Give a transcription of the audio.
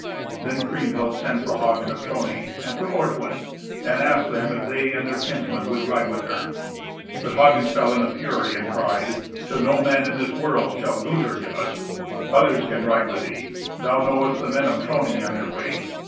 Then Kriemhild sent for Hagen of Trony and for Ortwin, and asked them if they and their kinsmen would ride with her. But Hagen fell in a fury and cried, "To no man in this world shall Gunther give us. Others can ride with thee. Thou knowest the men of Trony and their way.